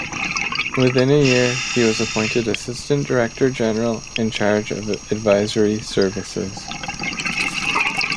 Within a year, he was appointed Assistant Director-General in charge of Advisory Services.